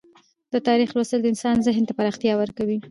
د تاریخ لوستل د انسان ذهن ته پراختیا ورکوي.